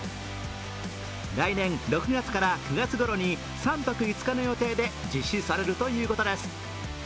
来年６月から９月ごろに３泊５日の予定で実施されるということです。